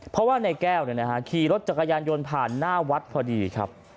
เพราะว่าในแก้วเนี่ยนะฮะขี่รถจักรยานยนต์ผ่านหน้าวัดพอดีครับ